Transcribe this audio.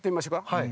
はい。